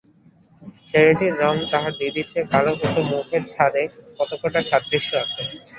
ছেলেটির রঙ তাহার দিদির চেয়ে কালো, কিন্তু মুখের ছাঁদে কতকটা সাদৃশ্য আছে।